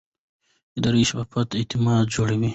اداري شفافیت اعتماد جوړوي